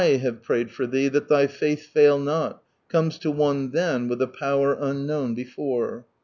have prayed for thee that thy faith fail nol," comes to one then with a power unknown before.